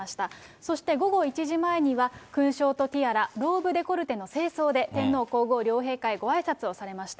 そして、午後１時前には、勲章とティアラ、ローブデコルテの正装で、天皇皇后両陛下にごあいさつをされました。